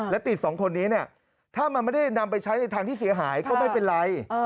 และติดสองคนนี้เนี่ยถ้ามันไม่ได้นำไปใช้ในทางที่เสียหายก็ไม่เป็นไร